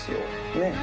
ねっ？